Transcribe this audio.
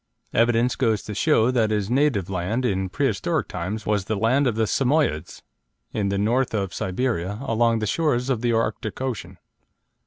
Evidence goes to show that his native land in prehistoric times was the land of the Samoyedes, in the north of Siberia, along the shores of the Arctic Ocean.